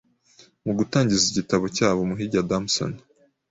Mu gutangiza igitabo cyabo Umuhigi Adamson